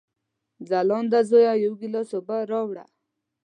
ځلانده زویه، یو ګیلاس اوبه راوړه!